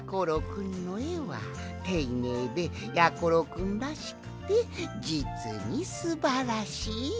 くんのえはていねいでやころくんらしくてじつにすばらしい。